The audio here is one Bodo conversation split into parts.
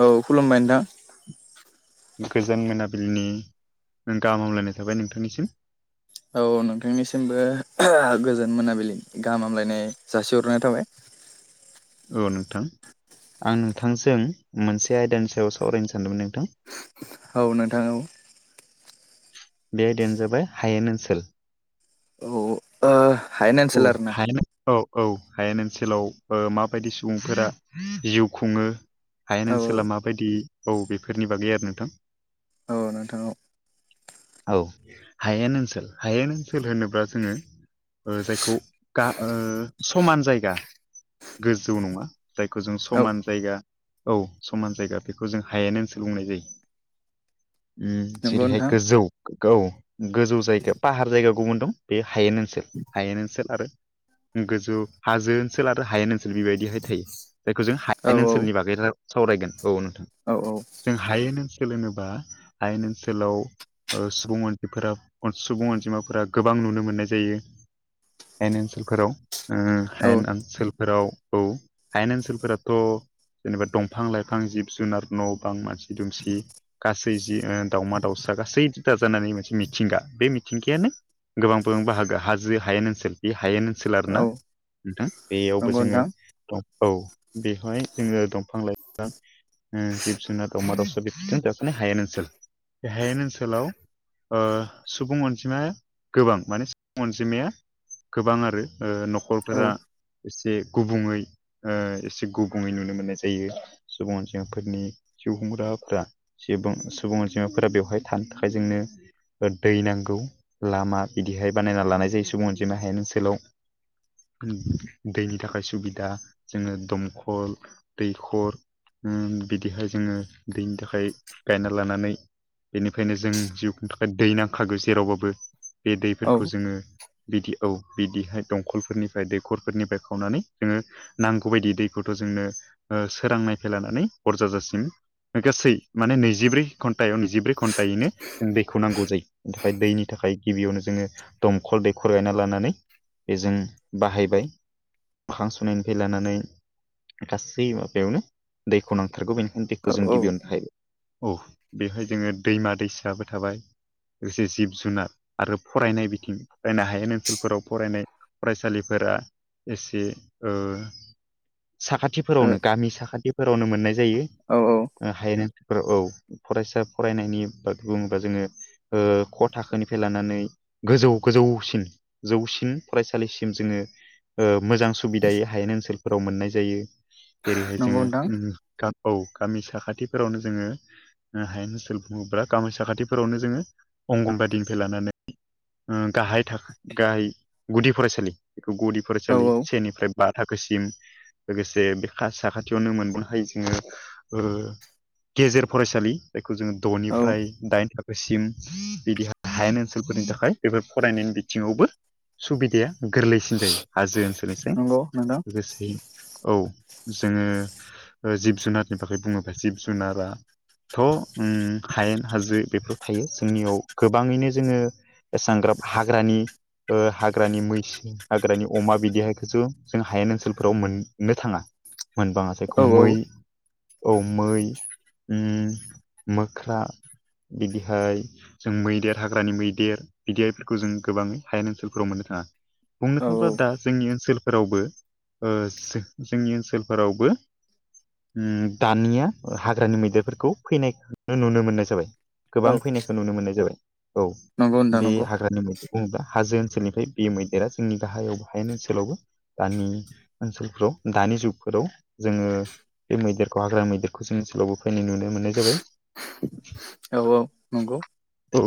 औ खुलुमबाय नोंथां। गोजोन मोनाबिलिनि नों गाहाम हामलायनाय थाबाय नोंथांनिसिम। औ नोंथांनिसिमबो गोजोन मोनाबिलिनि गाहाम हामलायनाय जासिहरनाय थाबाय। औ नोंथां आं नोंथांजों मोनसे आयदानि सायाव सावरायनो सानदोंमोन नोंथां। औ नोंथां औ। बे आयदानो जाबाय हायेन ओनसोल औ ओ हायेन औ ओनसोल आरोना हायेन। औ औ हायेन ओनसोलाव ओ माबायदि सुबुंफोरा जिउ खुंङो? हायेन औ ओनसोला माबायदि औ बेफोरनि बागै आरो नोंथां। औ नोंथां औ औ हायेन ओनसोल हायेन ओनसोल होनोब्ला जोंङो जायखौ गा ओ समान जायगा। गोजौ नंङा जायखौ जों औ समान जायगा औ समान जायगा बेखौ जों हायेन‌ ओनसोल बुंनाय जायो। उम नंगौ जेरैहाय नोंथां गोजौ औ गोजौ जायगा पाहार जायगा गुबुन दं। बे हायेन ओनसोल हायेन ओनसोल आरो गोजौ हाजो ओनसोल आरो हायेन ओनसोल बेबायदिहाय थायो। जायखौ जों हायेन औ ओनसोलनि बागै राय सावरायगोन औ नोंथां। औ औ। जों हायेन ओनसोल होनोबा हायेन ओनसोलाव ओ सुबुं अनजि सुबुं अनजिमाफोरा गोबां नुनो मोननाय जायो। हायेन ओनसोलफोराव ओ औ हायेन ओनसोलफोराव औ हायेन ओनसोलफोराथ' जेनेबा दंफां लाइफां जिब जुनार न' बां मानसि दुमसि गासै जि दावमा दावसा गासै दाजानानै मोनसे मिथिंगा बे मिथिंगायानो गोबां गोबां बाहागो हाजो हायेन ओनसोल। बे हायेन ओनसोल आरो औ ना नोंथां बेयावबो नंगौ जोंङो नोंथां औ‌ बेवहाय जोंङो दंफां लाइफां जिब जुनार दावमा दाउसा जों जाख'नो हायेन ओनसोल। हायेन ओनसोलाव ओ सुबुं अनजिमाया गोबां माने सुबुं अनजिमाया गोबां आरो ओ औ न'खरफोरा एसे गुबुङै एसे गुबुंङै नुनो मोननाय जायो। सुबुं अनजफोरनि जिउ हुंग्रा फ्रा सुबुं सुबुं अनजिमाफोरा बेवहाय थानो थाखाय जोंनो दै नांगौ लामा बिदिहाय बानायना लानाय जायो सुबुं अनजिमा हायेन ओनसोलाव दैनि थाखाय सुबिदा जोङोनो दमखल दैखर बिदिहाय जोङो दैनि थाखाय गायना लानानै बेनिफ्रायनो जों जिउ खुंनो थाखाय दै नांखागौ जेरावबाबो बे औ दैफोरखौ जोङो बिदि औ बिदिहाय दंखलफोरनिफ्राय दैखरफोरनिफ्राय खावनानै जोङो नांगौ बायदि दैखौथ' जोंनो सोरां नायफाय लानानै हरजाजासिम गासै माने नैजिब्रै घन्टायाव जिब्रै घन्टैनो जों दैखौ नांगौ जायो। बेनि थाखाय दैनि थाखाय गिबियावनो जोङो दंखल दैखर गायना लानानै बेजों बाहायबाय मोखां सुनायनिफ्राय लानानै गासै माबायावनो दैखौ नांथारगौ बेनि हेनथखौ जों औ औ गिबियावनो थायो औ बेवहाय जोङो दैमा दैसायाबो थाबाय। लोगोसे जिब जुनार आरो फरायनाय बिथिं फरायनो हायै ओनसोलफोराव फरायनाय। फरायसालिफोरा एसे ओ साखाथि फोरावनो गामि साखाथिफोरावनो मोननाय जायो हायेन ओनसोलारिफोराव औ फरायसा फरायनायनि बा बुङोबा जोङो ओ ख' थाखोनिफ्राय लानानै गोजौ गोजौसिन जौसिन फरायसालिसिम जोङो मोजां सुबिदायै हायेन ओनसोलफोराव मोननाय जायो। जेरैहाय नंगौ नोंथां जोङो औ गामि साखाथिफोरावनो जोङो हायेन ओनसोल बुङोब्ला गामि साखाथिफोरावनो जोङो अंगनबादिनिफ्राय लानानै गाहाय गाहाय गुदि फरायसालि बेखौ गुदि औ फरायसालि सेनिफ्राय बा थाखोसिम लोगोसे बे साखाथियावनो मोनबो हायो जोङो गेजेर फरायसालि बे खौ जोङो औ द'निफ्राय दाइन थाखोसिम बिदिाय हायेन ओनसोलफोरनि थाखाय बेफोर फरायनायनि बिथिङावबो सुबिदाया गोरलैसिन जायो हाजो ओनसोलनि साय! नंगौ नोंथां लोगोसे औ जोङो जिब जुनारनि बागै बुङोब्ला जिब जुनार थ' हायेन-हाजो बेफोर थायो जोंनियाव गोबाङैनो जोङो एसांग्राब हाग्रानि हाग्रानि मैसो हाग्रानि अमा बिदिहायखौसो जों हायेन ओनसोलफोराव मोननो थाङा मोनबाङा औ औ मै औ मै ओम मोख्रा बिदिहाय जों मैदेर हाग्रानि मैदेर बिदिफोरखौ जों गोबाङै हायेन ओनसोलफोराव मोननो थाङा। बुंनो औ थाङोब्ला दा जोंनि ओनसोलफोरावबो जोंनि ओनसोलफोरावबो दानिया हाग्रानि मैदेरफोरखौ फैनाय नुनो मोननाय जाबाय। गोबां औ फैनायखौ नुनो मोननाय जाबाय! औ नंगौ नोंथां बे नंगौ हाग्रानि मैदेर- बुङोब्ला हाजो ओनसोलनिफ्राय बे मैदेरा जोंनि गाहायाव हायेन ओनसोलावबो दानि ओनसोलफोराव दानि जुगफोराव जोङो बे मैदेरखौ हाग्रा मैदेरखौ जों ओनसोलावबो फैनाय नुनो मोननाय जाबाय। [inaudible] औ औ नंगौ। अ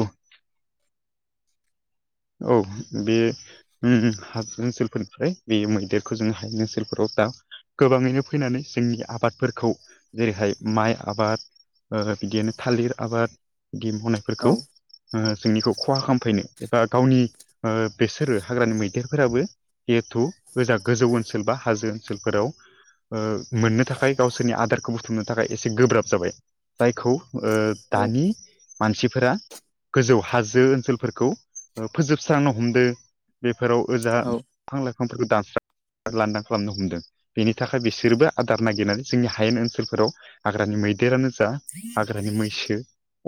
औ बे उम उम हाजो ओनसोलफोरनिफ्राय बे मैदेरखौ जों हाये ओनसोलफोराव दा गोबाङैनो फैनानै जोंनि आबादफोरखौ जेरैहाय माइ आबाद बिदियनो थालिर आबाद बिदि औ औ मावनायफोरखौ जोंनिखौ खहा खालामफैनो ओ गावनि ओ बेसोरो हाग्रानि मैदेरफोराबो जिहेथु गोजा गोजौ ओनसोल बा हाजो ओनसोलफोराव ओ मोननो थाखाय गावसोरनि आदारखौ बुथुमनो थाखाय एसे गोब्राब जाबाय। जायखौ ओ औ दानि मानसिफोरा गोजौ हाजो ओनसोलफोरखौ ओ फोजोबस्रांनो हमदों बेफोराव ओजा दफां-लाइफांफोरखौ दानस्रां लांदां खालामनो हमदों। बेनि थाखाय बिसोरबो आदार नागिरनानै जोंनि हायेन ओनसोलफोराव हाग्रानि मैदेरानो जा हाग्रानि मैसो,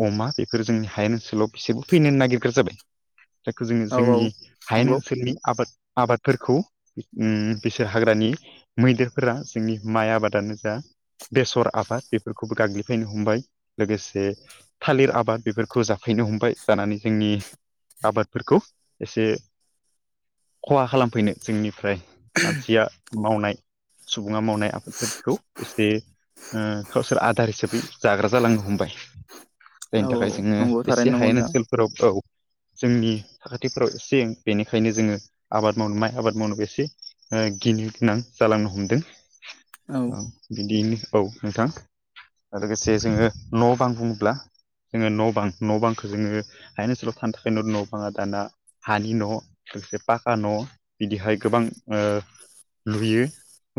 अमा बेफोर जोंनि हायेन ओनसोलाव बेसोरबो फैनो नागिरग्रा जाबाय। जायखौ जोङो औ औ जोंनि हायेन नंगौ ओनसोलनि आबाद आबादफोरखौ उम बिसोर हाग्रानि मैदेरफोरा जोंनि माइ आबादानो जा बेसर, आबाद बेफोरखौबो गाग्लिफैनो हमबाय लोगोसे थालिर आबाद बेफोरखौ जाफैनो हमबाय जानानै जोंनि आबादफोरखौ एसे खहा खालामफैनो जोंनिफ्राय मानसिया मावनाय सुबुङा मावनाय आबदफोरखौ एसे ओ गावसोर आदार हिसाबै जाग्रा जालांनो हमबाय। औ बेनि थाखाय औ जोङो नंगौ थारैनो एसे नंगौ हायेन नोंथां ओनसोलफोराव औ। जोंनि साखाथिफ्राव एसे बेनिखायनो जोङो आबाद मावनो माइ आबाद मावनो एसे ओ गिनो गोनां जालांनो हमदों औ। बिदियैनो औ नोंथां लोगोसे जोङो न'-बां बुङोब्ला जोङो न' बां न' बांखौ जोङो हायेन ओनसोलाव थानो थाखाय न' न' बाङा दाना हानि न' लोगोसे पाखा न' बिदिहाय गोबां ओ लुयो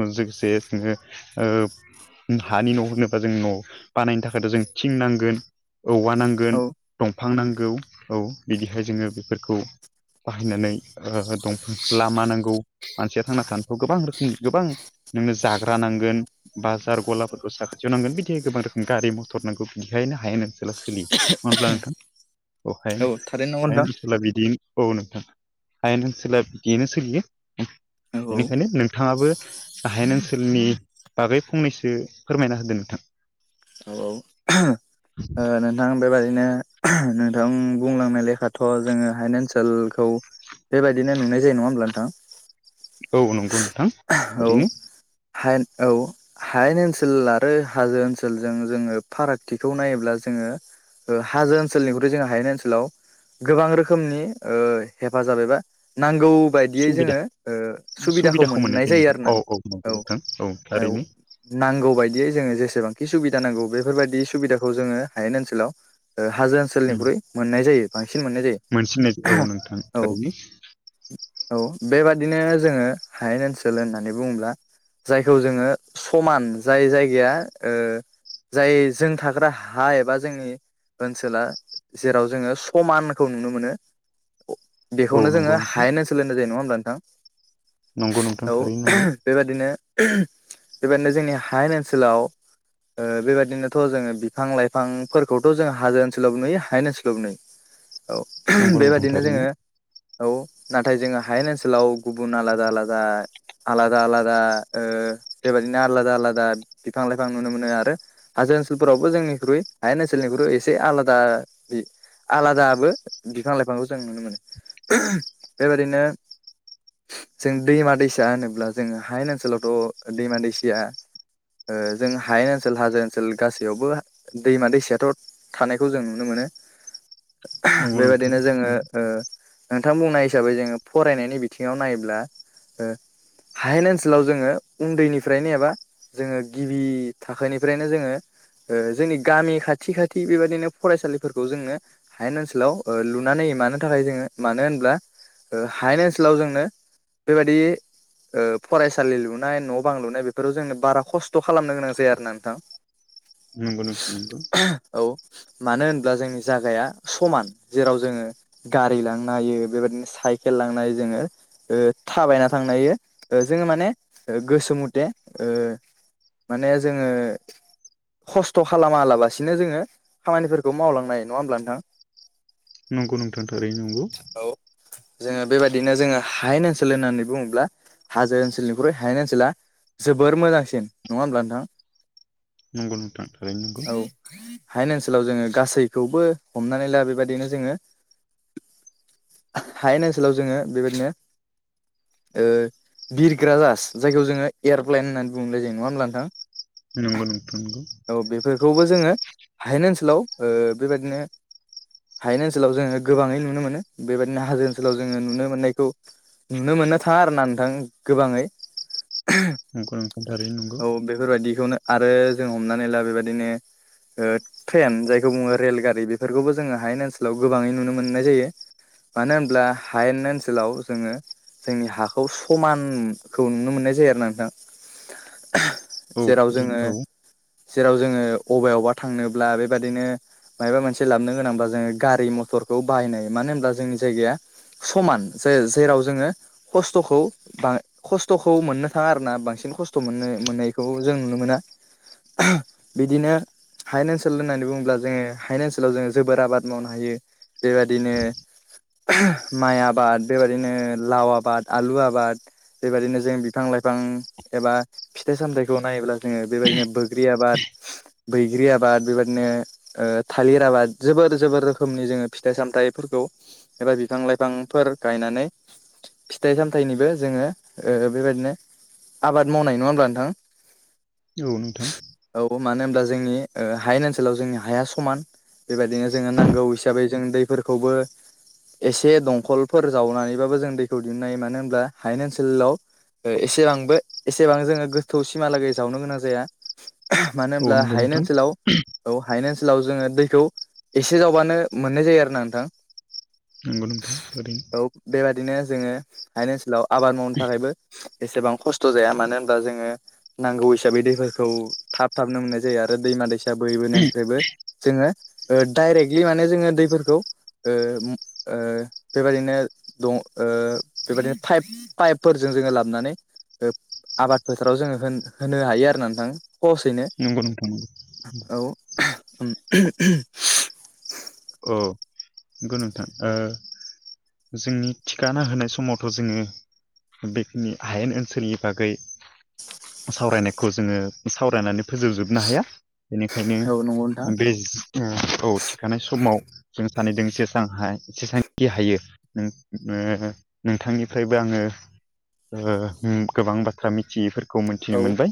लोगोसे जोङो ओ हानि न' होनोबा जों न' बानायनो थाखायथ' जों थिं नांगोन। औवा औ नांगोन दंफां नांगौ औ बिदिहाय जोङो बेफोरखौ बाहायनानै ओ दंफां लामा नांगौ मानसिया थांना थानोथ' गोबां रोखोमनि गोबां नों नो जाग्रा नांगोन। बाजार गलाफोरखौ साखाथियाव नांगोन बिदिनो गोबां रोखोम गारि मथर नांगौ बिदिहायनो हायेन ओनसोला [unintelligible] [unintelligible] हायेन थारैनो नंगौ नोंथां। ओनसोला बिदि औ नोंथां हायेन ओनसोला बिदिनो सोलियो औ बेनिखायनो नोंथाङाबो हायेन ओनसोलनि बागै फंनैसो फोरमायना होदो नोंथां। औ ओ ओ नोंथां बेबायदिनो नोंथां बुंलांनाय लेखाथ' जोङो हायेन ओनसोलखौ बेबायदिनो नुनाय जायो नङा होमब्ला नोंथां। औ नंगौ नोंथां औ ओरैनो हायेन औ हायेन ओनसोल आरो हाजो ओनसोलजों जोङो फारागथिखौ नायोब्ला जोङो ओ हाजो ओनसोलनिखौथ' जोङो हायेन ओनसोलाव गोबां रोखोमनि ओ हेफाजाब एबा नांगौ बायदियै सुबिदा जोङो ओ सुबिदाखौ मोननाय जायो नोंथां आरो औ ना। औ नंगौ नोंथां औ थारैनो। नांगौ बायदियै जोङो जेसेबांखि सुबिदा नांगौ बेफोरबायदि सुबिदाखौ जोङो हायेन ओनसोलाव ओ हाजो ओनसोलनिख्रुइ मोननाय जायो बांसिन मोननाय जायो। मोनसेनो औ नोंथां औ थारैनो। औ बेबादिनो जोङो हायेन ओनसोल होननानै बुङोब्ला जायखौ जोङो समान जाय जायगाया ओ जाय जों थाग्रा हा एबा जोंनि ओनसोला जेराव जोङो समानखौ नुनो मोनो। [inaudible] बेखौनो जोङो नंगौ नोंथां हायेन ओनसोल होननाय जायो नङा होमब्ला नोंथां। नंगौ नोंथां थारैनो नंगौ। बेबादिनो बेबादिनो जोंनि हायेन ओनसोलाव ओ बेबायदिनोथ' जोङो बि बिफां लाइफांफोरखौथ' जों हाजो ओनसोलावबो नुयो हायेन ओनसोलावबो नुयो औ। नंगौ नोंथां बेबायादिनो थारैनो जोङो औ नाथाय जोङो हायेन ओनसोलाव गुबुन आलादा आलादा आलादा आलादा ओ बेबायदिनो आलादा आलादा बिफां लाइफां नुनो मोनो। आरो हाजो ओनसोलफोरावबो जोंनिख्रुइ हायेन ओनसोलनिख्रुइ एसे आलादा आलादाबो बिफां लाइफांखौ जों नुनो मोनो बेबायदिनो जों दैमा दैसा होनोब्ला जोङो हायेन ओनसोलावथ' दैमा दैसाया ओ जों हायेन ओनसोल हाजो ओनसोल गासै बेयावबो दैमा दैसायाथ' थानायखौ जों नुनो मोनो। नंगौ नोंथां बेबायदिनो जोङो ओ नोंथां बुंनाय हिसाबै जोङो फरायनायनि बिथिङाव नायोब्ला ओ हायेन ओनसोलाव जोङो उन्दैनिफ्रायनो एबा जोङो गिबि थाखोनिफ्रायनो जोङो ओ जोंनि गामि खाथि खाथि बेबदिनो फरायसालिफोरखौ जोंनो हायेन ओनसोलाव ओ लुनानै मानो थाखाय जोङो मानो होनब्ला ओ हायेन ओनसोलाव जोंनो बेबायदि ओ फरायसालि लुनाय न' बां लुनाय बेफोराव जोंनो बारा खस्थ' खालामनो गोनां जाया आरो ना नोंथां। नंगौ नोंथां नंगौ। औ मानो होनब्ला जोंनि जागाया समान जेराव जोङो गारि लांनो हायो बेबायदिनो साइकेल लांनो हायो जोङो ओ थाबायना थांनो हायो जोङो माने गोसो मथे ओ माने जोङो खस्थ' खालामालाबासिनो जोङो खामानिफोरखौ मावलांनो हायो नङा होमब्ला नोंथां? नंगौ नोंथां थारैनो नंगौ। औ जोङो बेबायदिनो जोङो हायेन ओनसोल होननानै बुङोब्ला हाजो ओनसोलनिख्रुइ हायेन ओनसोला जोबोर मोजांसिन नङा होमब्ला नोंथां? नंगौ नोंथां। थारैनो नंगौ औ हायेन ओनसोलाव जोङो गासैखौबो हमनानै ला बेबायदिनो जोङो हायेन ओनसोलाव जोङो बेबायदिनो ओ बिरग्रा जाहास जायखौ जोङो एयारप्लइन होननानै बुंनाय जायो नङा होमब्ला नोंथां? नंगौ नोंथां नंगौ। औ बेफोरखौबो जोङो हायेन ओनसोलाव ओ बेबादिनो हायेन ओनसोलाव जोङो गोबाङै नुनो मोनो बेबायदिनो हाजो ओनसोलाव जोङो नुनो मोननायखौ नुनो मोननो थाङा आरो ना नोंथां गोबाङै नंगौ नोंथां थारैनो नंगौ औ बेफोरबादिखौनो आरो जों हमनानै ला बेबादिनो ओ ट्रेन जायखौ बुङो रेलगारि बेफोरखौबो जोङो हायेन ओनसोलाव गोबाङै नुनो मोननाय जायो। मानो होनब्ला हायेन ओनसोलाव जोङो जोंनि हाखौ समानखौ नुनो मोननाय जायो आरोना नोंथां। [inaudible] जेराव थारैनो जोङो औ जेराव जोङो अबेयावबा थांनोब्ला बेबादिनो मायाबा मोनसे लाबनो गोनांब्ला जोङो गारि मथरखौ बाहायनाय मानो होनब्ला जोंनि जायगाया समान जे-जेराव जोङो खस्थ'खौ बा खस्थ'खौ मोननो थाङा आरोना बांसिन खस्थ' मोननो मोननायखौ जों नुनो मोना। बिदिनो हायेन ओनसोल होननानै बुङोब्ला जोङो हायेन ओनसोलाव जोङो जोबोर आबाद मावनो हायो। बेबादिनो माइ आबाद बेबायदिनो लाव आबाद आलु आबाद बेबादिनो जों बिफां लाइफां एबा फिथाइ सामथाइखौ नायोब्ला जोङो बेबादिनो बोग्रि आबाद बैग्रि आबाद बेबादिनो ओ थालिर आबाद जोबोर जोबोर रोखोमनि जोङो फिथाइ सामथाइफोरखौ एबा बिफां लाइफांफोर गायनानै फिथाइ सामथाइनिबो जोङो ओ बेबायदिनो आबाद मावनाय नङा होमब्ला नोंथां? औ नोंथां। औ मानो होनब्ला जोंनि ओ हायेन ओनसोलाव जोंनि हाया समान। बेबायदिनो जोङो नांगौ हिसाबै जों दैफोरखौबो एसे दंखलफोर जावनानैबाबो जों दैखौ दिहुननो हायो मानो होनब्ला हायेन ओनसोलाव एसेआंबो एसेबां जोङो गोथौ सिमहालागै जावनो गोनां जाया। मानो औ होनब्ला नंगौ हायेन नोंथां ओनसोलाव औ हायेन ओनसोलाव जोङो दैखौ एसे जावबानो मोननाय जायो आरोना नोंथां। नोंगौ नोंथां ओरै औ बेबादिनो जोङो हायेन ओनसोलाव आबाद मावनो थाखायबो एसेबां खस्थ' जाया मानो होनब्ला जोङो नांगौ हिसाबै दै फोरखौ थाब थाबनो मोननाय जायो आरो दैमा दैसा बोहैबोनायनिफ्रायबो जोङो ओ डाइरेक्टलि माने जोङो दैफोरखौ ओ उम ओ बेबायदिनो दं ओ बेबायदिनो थाइप पाइपफोरजों जोङो लाबनानै ओ आबाद फोथाराव जोङो होन-होनो हायो आरोना। थां खहसैनो नंगौ नोंथां औ [unintelligible] औ। गो नोंथां ओ जोंनि थिखाना होनाय समावथ' जोङो बेखिनि हायेन ओनसोलनि बागै सावरायनायखौ जोङो सावरायनानै फोजोबजोबनो हाया बेनिखायनो औ नंगौ नोंथां बे ज ओ औ थिखानाय समाव जों सानैदों जेसां हा जेसांखि हायो उम ओ नोंथांनिफ्रायबो आङो ओ उम गोबां बाथ्रा मिथियि फोर खौ औ मिथिनो मोनबाय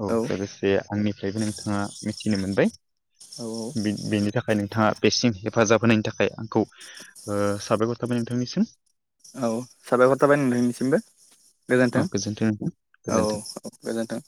औ लोगोसे आंनिफ्रायबो नोंथाङा मिथिनो मोनबाय। औ बि बेनि थाखाय नोंथाङा बेसिम हेफाजाब होनायनि थाखाय आंखौ ओ साबायखर थाबाय नोंथांनिसिम। औ साबायखर थाबाय नोंथांनिसिमबो औ गोजोन्थों नोंथां औ गोजोन्थों। औ। गोजोनथों।